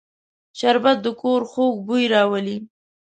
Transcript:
شربت د کور خوږ بوی راولي